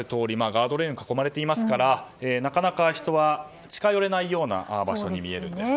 ガードレールに囲まれてますからなかなか人は近寄れないような場所に見えるんです。